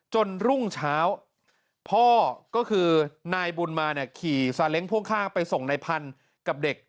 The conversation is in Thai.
รุ่งเช้าพ่อก็คือนายบุญมาเนี่ยขี่ซาเล้งพ่วงข้างไปส่งนายพันธุ์กับเด็ก